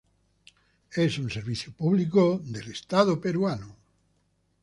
Es un servicio público del Estado Peruano.